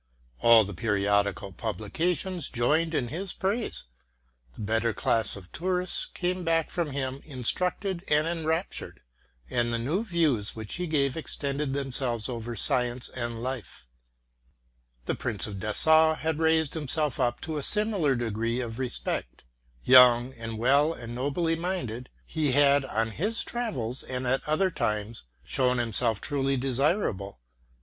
All the periodical publications joined in his praise, the better class of tourists came back from him instructed and enraptured, and the new views which he gave extended themselves over science and life. The Prince of Dessau had raised himself up to a similar degree ©£ respect. Young, well and nobly minded, he had RELATING TO MY LIFE. 273 on his travels and at other times shown himself truly desir able.